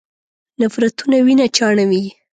نفرونونه وینه چاڼوي.